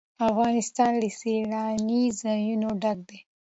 افغانستان له سیلانی ځایونه ډک دی.